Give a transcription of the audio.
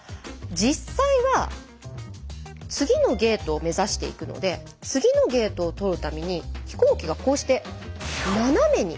実際は次のゲートを目指していくので次のゲートを通るために飛行機がこうして斜めに。